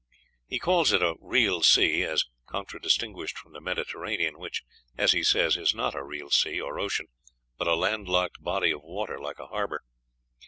He calls it a real sea, as contradistinguished from the Mediterranean, which, as he says, is not a real sea (or ocean) but a landlocked body of water, like a harbor.